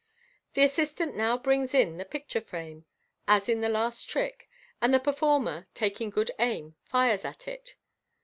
The assistant now brings in the picture frame, as in the last trick, and the performer, taking good aim, fires at it.